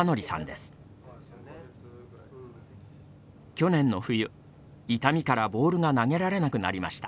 去年の冬痛みからボールが投げられなくなりました。